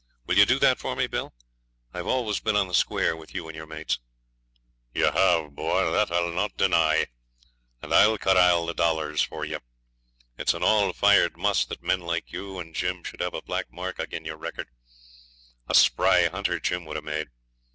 Will you do that for me, Bill? I've always been on the square with you and your mates.' 'You hev', boy, that I'll not deny, and I'll corral the dollars for you. It's an all fired muss that men like you and Jim should have a black mark agin your record. A spry hunter Jim would have made.